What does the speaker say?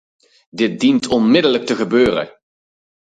Dit dient onmiddellijk te gebeuren.